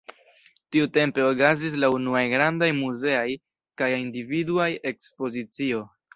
Tiutempe okazis la unuaj grandaj muzeaj kaj individuaj ekspozicioj.